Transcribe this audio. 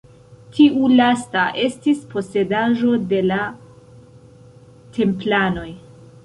Tiu lasta estis posedaĵo de la Templanoj.